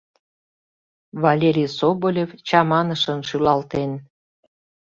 — Валерий Соболев чаманышын шӱлалтен.